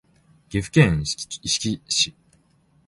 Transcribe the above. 岐阜県土岐市